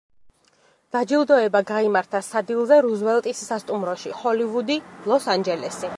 დაჯილდოება გაიმართა სადილზე რუზველტის სასტუმროში, ჰოლივუდი, ლოს-ანჯელესი.